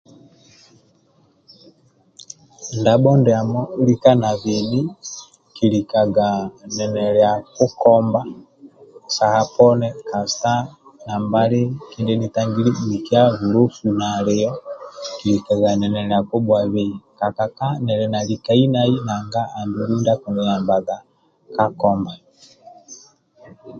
Ndabho ndiamo lika na beni nkilikga ninilia kikomba Saha poni kasita nambali kindle nitangili mikia bulofu nalio nkilikaga ninilia kibhwuabei kakaka nilinalikainai naga andulu ndia kiniyambaga ka komba